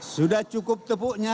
sudah cukup tepuknya